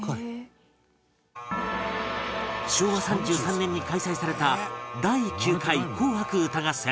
昭和３３年に開催された第９回『紅白歌合戦』